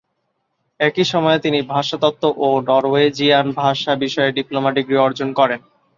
একই সময়ে তিনি ভাষাতত্ত্ব ও নরওয়েজিয়ান ভাষা বিষয়ে ডিপ্লোমা ডিগ্রি অর্জন করেন।